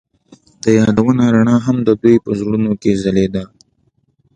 د یادونه رڼا هم د دوی په زړونو کې ځلېده.